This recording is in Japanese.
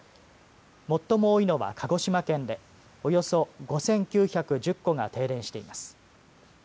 最も多いのは鹿児島県でおよそ５９１０戸が停電しています。